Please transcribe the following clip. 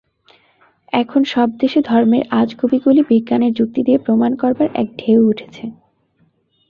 এখন সব দেশে ধর্মের আজগুবীগুলি বিজ্ঞানের যুক্তি দিয়ে প্রমাণ করবার এক ঢেউ উঠেছে।